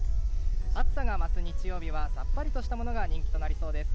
暑さが増す日曜日はさっぱりとしたものが人気となりそうです。